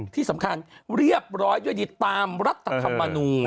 ที่สำคัญเรียบร้อยด้วยดีตามรัฐธรรมนูล